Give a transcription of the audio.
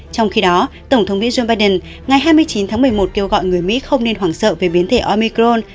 trong khi đó tổng thống mỹ joe biden ngày hai mươi chín tháng một mươi một kêu gọi người mỹ không nên hoảng sợ về biến thể omicron